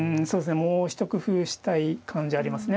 もう一工夫したい感じありますね。